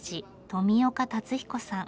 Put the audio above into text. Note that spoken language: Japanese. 富岡達彦さん。